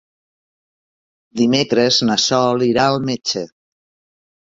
Dimecres na Sol irà al metge.